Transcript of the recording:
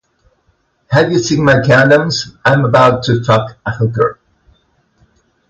Have you seen my condoms? I am about to fuck a hooker.